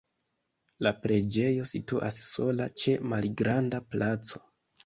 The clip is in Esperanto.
La preĝejo situas sola ĉe malgranda placo.